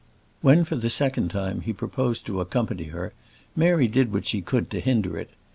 When for the second time he proposed to accompany her, Mary did what she could to hinder it.